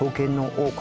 王国！